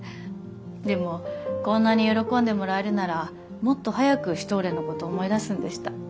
でもこんなに喜んでもらえるならもっと早くシュトーレンのこと思い出すんでした。